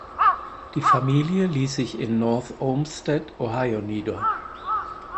Die Familie ließ sich in North Olmsted (Ohio) nieder.